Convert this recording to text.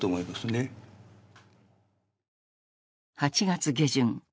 ８月下旬。